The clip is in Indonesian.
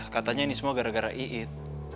katanya ini semua gara gara iit